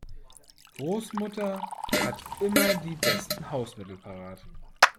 Großmutter hat immer die besten Hausmittel parat.